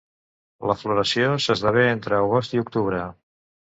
La floració s'esdevé entre agost i octubre.